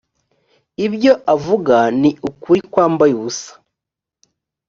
ibyo avuga ni ukuri kwambaye ubusa